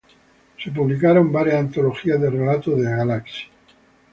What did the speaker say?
Se publicaron varias antologías de relatos de "Galaxy".